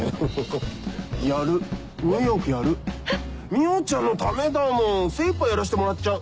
海音ちゃんのためだもん精いっぱいやらせてもらっちゃう。